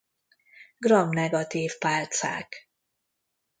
Gram-negatív pálcák.